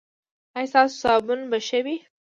ایا ستاسو صابون به ښه وي؟